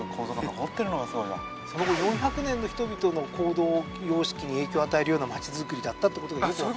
その後４００年の人々の行動様式に影響を与えるような町づくりだったって事がよくわかりますよね。